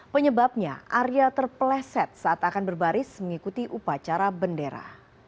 penyebabnya arya terpeleset saat akan berbaris mengikuti upacara bendera